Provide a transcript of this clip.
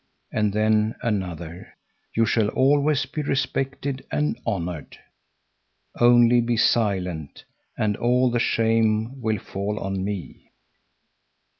And then another: "You shall always be respected and honored. Only be silent, and all the shame will fall on me!"